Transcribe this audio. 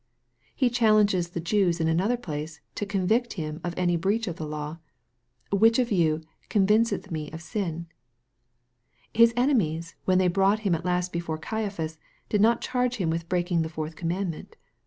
He challenges the Jews in another place to convict him ol any breach of the law: "which of you convinceth me of sin?" His enemies, when they brought Him at last before Caiaphas, did not charge Him with breaking the fourth commandment.